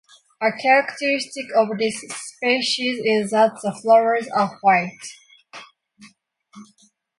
A characteristic of this species is that the flowers are white.